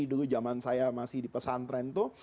dulu zaman saya masih di pesantren itu